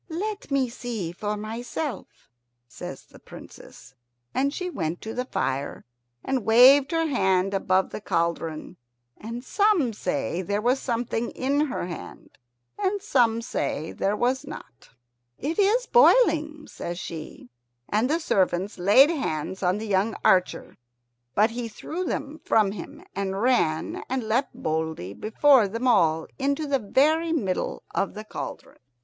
"Let me see for myself," says the Princess, and she went to the fire and waved her hand above the cauldron. And some say there was something in her hand, and some say there was not. "It is boiling," says she, and the servants laid hands on the young archer; but he threw them from him, and ran and leapt boldly before them all into the very middle of the cauldron.